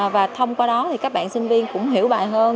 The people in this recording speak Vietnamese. và thông qua đó thì các bạn sinh viên cũng hiểu bài hơn